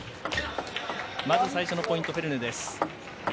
まず最初のポイント、フェルネ。